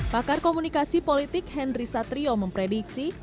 pakar komunikasi politik henry satrio memprediksi